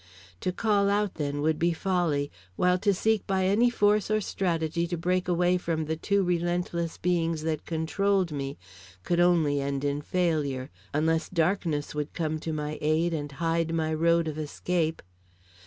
To call out, then, would be folly, while to seek by any force or strategy to break away from the two relentless beings that controlled me could only end in failure, unless darkness would come to my aid and hide my road of escape.